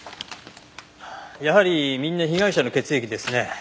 やはりみんな被害者の血液ですね。